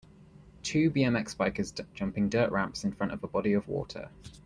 Two BMX bikers jumping dirt ramps in front of a body of water.